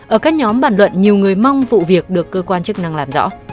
ở các nhóm bàn luận nhiều người mong vụ việc được cơ quan chức năng làm rõ